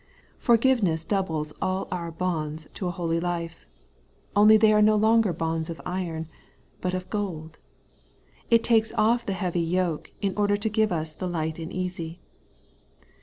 Forgiveness doubles all our bonds to a holy life ; only they are no longer bonds of iron, but of gold. It takes off the heavy yoke, in order to give us the light and easy.